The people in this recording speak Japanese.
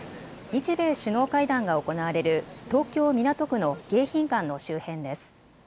日米首脳会談が行われる東京港区の迎賓館の周辺です。